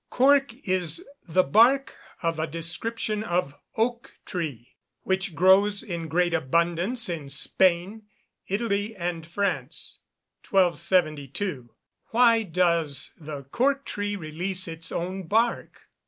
_ Cork is the bark of a description of oak tree, which grows in great abundance in Spain, Italy, and France. 1272. _Why does the cork tree release its own bark?